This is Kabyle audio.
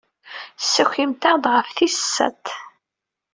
Ssakimt-aɣ-d ɣef tis sat.